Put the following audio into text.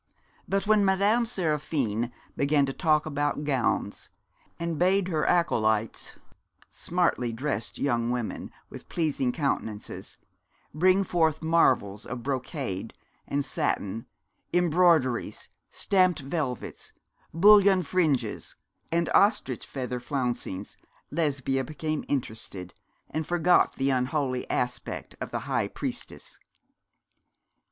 But when Madame Seraphine began to talk about gowns, and bade her acolytes smartly dressed young women with pleasing countenances bring forth marvels of brocade and satin, embroideries, stamped velvets, bullion fringes, and ostrich feather flouncings, Lesbia became interested, and forgot the unholy aspect of the high priestess.